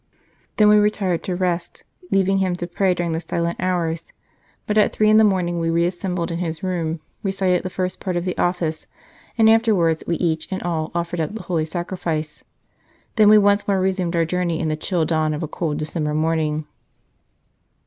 Then we retired to rest, leaving him to pray during the silent hours; but at three in the morning we reassembled in his room, recited the first part of the Office, and afterwards we each and all offered up the Holy Sacrifice. Then we once more resumed our journey in the chill dawn of a cold December morning."